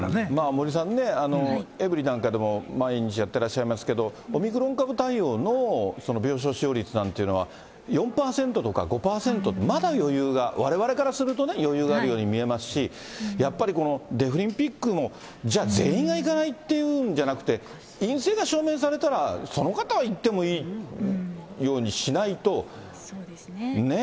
森さんね、エブリィなんかでも、毎日やってらっしゃいますけれども、オミクロン株対応の病床使用率なんていうのは、４％とか５％、まだ余裕が、われわれからするとね、余裕があるように見えますし、やっぱりこのデフリンピックも、じゃあ、全員が行かないっていうんじゃなくて、陰性が証明されたら、その方は行ってもいいようにしないとね。